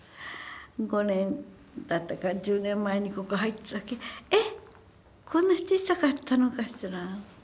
５年だったか１０年前にここ入った時「えっ！こんな小さかったのかしら」。